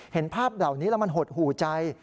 เห็นภาพเหล่านี้แล้วมันหดหูใจ